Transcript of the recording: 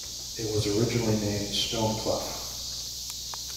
It was originally named Stoneclough.